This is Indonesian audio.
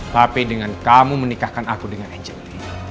tapi dengan kamu menikahkan aku dengan angel